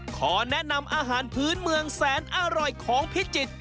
ขอแนะนำอาหารพื้นเมืองแสนอร่อยของพิจิตร